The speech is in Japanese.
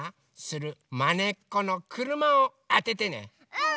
うん！